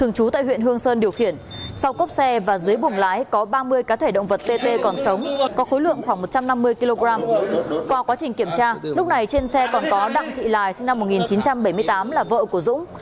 hôm nay trên xe còn có đặng thị lài sinh năm một nghìn chín trăm bảy mươi tám là vợ của dũng